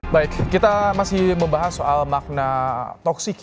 baik kita masih membahas soal makna toksik yang disampaikan oleh pak prabowo